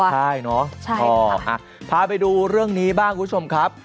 ใช่เนาะพาไปดูเรื่องนี้บ้างคุณผู้ชมครับ